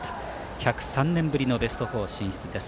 １０３年ぶりのベスト４進出です。